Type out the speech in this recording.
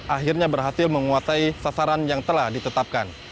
akhirnya berhasil menguasai sasaran yang telah ditetapkan